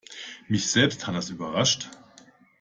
Mich selbst hat das überrascht.